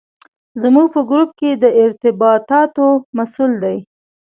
زموږ په ګروپ کې د ارتباطاتو مسوول دی.